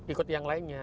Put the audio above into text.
ikut yang lainnya